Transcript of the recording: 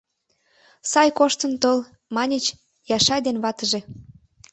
Сай коштын тол, — маньыч Яшай ден ватыже.